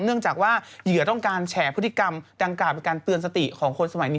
เนื่องจากว่าเหยื่อต้องการแฉพฤติกรรมดังกล่าวเป็นการเตือนสติของคนสมัยนี้